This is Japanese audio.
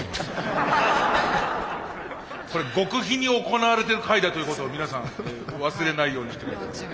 これ極秘に行われてる会だということを皆さん忘れないようにして下さい。